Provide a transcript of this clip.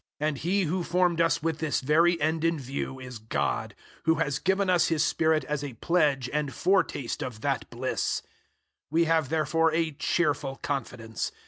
005:005 And He who formed us with this very end in view is God, who has given us His Spirit as a pledge and foretaste of that bliss. 005:006 We have therefore a cheerful confidence.